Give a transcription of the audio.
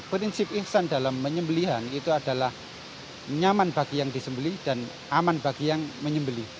prinsip ihsan dalam menyembelihan itu adalah nyaman bagi yang disembeli dan aman bagi yang menyembeli